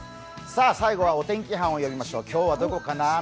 最後はお天気班を呼びましょう、今日はどこかな？